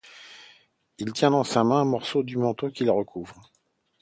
Il tient dans sa main un morceau du manteau qui le recouvre.